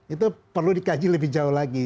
itu perlu dikaji lebih jauh lagi